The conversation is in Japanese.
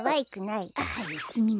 あっはいすみません。